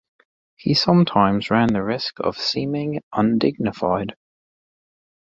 He sometimes ran the risk of seeming undignified.